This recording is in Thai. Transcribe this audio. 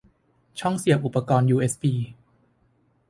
ช่องเสียบอุปกรณ์ยูเอสบี